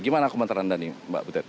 gimana komentar anda nih mbak butet